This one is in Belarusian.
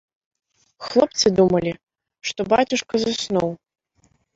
Хлопцы думалі, што бацюшка заснуў.